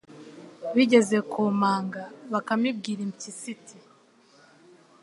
Bigeze ku manga Bakame ibwira impyisi iti :